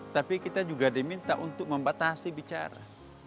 tapi kita juga diminta untuk membatasi bicara